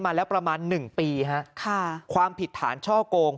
มาแล้วประมาณ๑ปีฮะค่ะความผิดฐานช่อโกง